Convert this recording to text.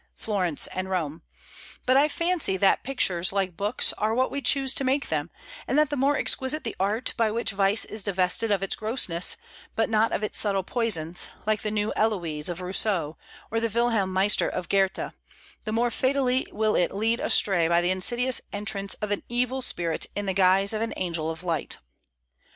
Florence, and Rome; but I fancy that pictures, like books, are what we choose to make them, and that the more exquisite the art by which vice is divested of its grossness, but not of its subtle poisons, like the New Héloïse of Rousseau or the Wilhelm Meister of Goethe, the more fatally will it lead astray by the insidious entrance of an evil spirit in the guise of an angel of light.